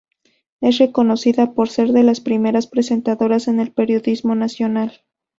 Es reconocida por ser de las primeras presentadoras en el periodismo nacional.